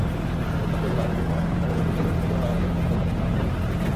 தோட்டத் தொழிலாளி கூட அவர் ஒரு தொழில் நிபுணராகவே மதிக்கப்படுகிறார்.